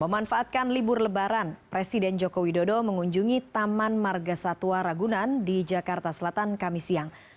memanfaatkan libur lebaran presiden jokowi dodo mengunjungi taman margasatua ragunan di jakarta selatan kami siang